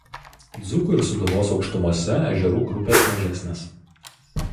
Dzūkų ir Sūduvos aukštumose ežerų grupės mažesnės.